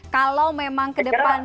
kalau memang ke depan